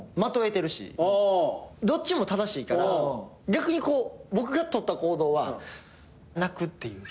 どっちも正しいから僕がとった行動は泣くっていう。